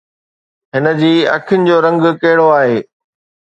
هن جي اکين جو رنگ ڪهڙو آهي؟